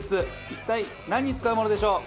一体なんに使うものでしょう？